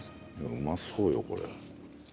うまそうよこれ。